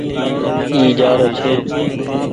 اي جآرو ڇي۔